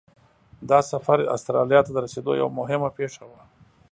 دا سفر استرالیا ته د رسېدو یوه مهمه پیښه وه.